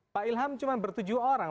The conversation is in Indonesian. pak ilham cuma bertujuh orang